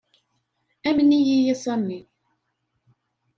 Amen-iyi a Sami.